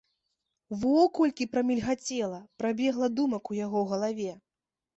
Во колькі прамільгацела, прабегла думак у яго галаве.